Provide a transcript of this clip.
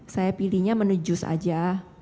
saya pilihnya menu jus saja